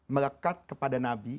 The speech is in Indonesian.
melekat kepada nabi